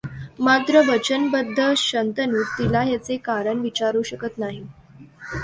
मात्र वचनबद्ध शंतनू तिला याचे कारण विचारू शकत नाही.